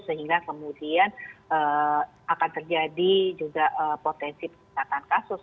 sehingga kemudian akan terjadi juga potensi peningkatan kasus